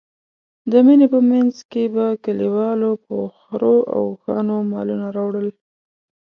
د مني په منځ کې به کلیوالو په خرو او اوښانو مالونه راوړل.